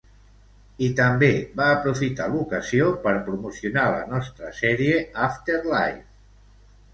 I també va aprofitar l'ocasió per promocionar la nostra sèrie After Life.